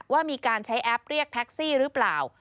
ว่ามีการใช้แอปเรียกแท็กซี่หรือเปล่า